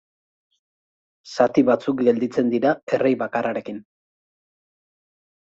Zati batzuk gelditzen dira errei bakarrarekin.